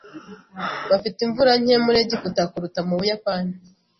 Bafite imvura nke muri Egiputa kuruta mu Buyapani.